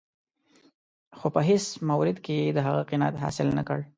خو په هېڅ مورد کې یې د هغه قناعت حاصل نه کړ.